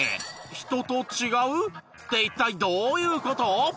人と違う？って一体どういう事？